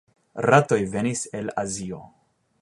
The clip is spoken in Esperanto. Ratoj venis el Azio.